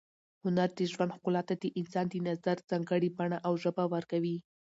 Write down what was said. هنر د ژوند ښکلا ته د انسان د نظر ځانګړې بڼه او ژبه ورکوي.